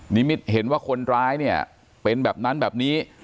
นิมิตเห็นว่าคนร้ายเนี่ยเป็นแบบนั้นแบบนี้